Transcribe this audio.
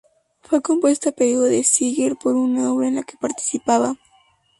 Fue compuesta a pedido de Seeger para una obra en la que participaba.